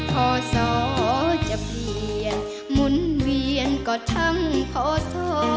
พ่อสอจะเปลี่ยนมุนเวียนก็ทั้งพ่อสอ